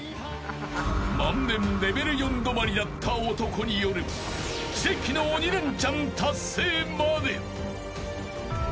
［万年レベル４止まりだった男による奇跡の鬼レンチャン達成まで］